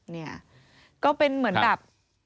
เนี่ยก็เป็นเหมือนแบบ